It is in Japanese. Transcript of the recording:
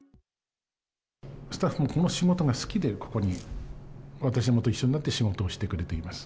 スタッフもこの仕事が好きでここに、私どもと一緒に仕事をしてくれています。